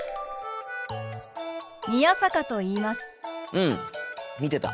うん見てた。